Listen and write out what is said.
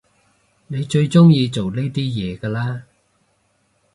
你最中意做呢啲嘢㗎啦？